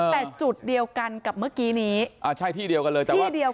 แต่จุดเดียวกันกับเมื่อกี้นี้อ่าใช่ที่เดียวกันเลย